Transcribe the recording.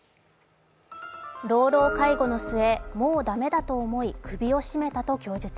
老老介護の末、もう駄目だと思い首を絞めたと供述。